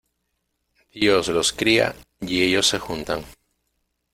Dios los cría y ellos se juntan.